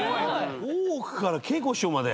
『大奥』から桂子師匠まで。